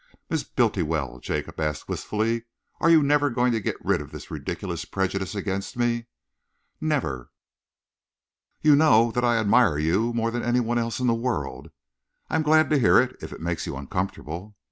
"Miss Bultiwell," Jacob asked wistfully, "are you never going to get rid of this ridiculous prejudice against me?" "Never!" "You know that I admire you more than any one else in the world?" "I am glad to hear it, if it makes you uncomfortable."